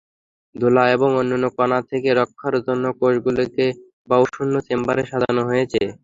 ধুলা এবং অন্যান্য কণা থেকে রক্ষার জন্য কোষগুলোকে বায়ুশূন্য চেম্বারে সাজানো হয়েছে।